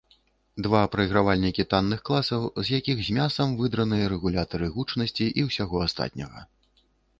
Два прайгравальнікі танных класаў, з якіх з мясам выдраныя рэгулятары гучнасці і ўсяго астатняга.